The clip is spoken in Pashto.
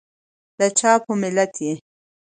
دچا په ملت یي؟